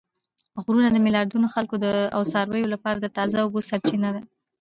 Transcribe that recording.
غرونه د میلیاردونو خلکو او څارویو لپاره د تازه اوبو سرچینه ده